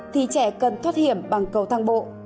thì trẻ cần thoát hiểm bằng cầu thang bộ